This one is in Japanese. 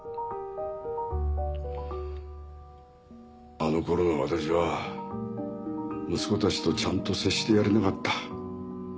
あの頃の私は息子たちとちゃんと接してやれなかった。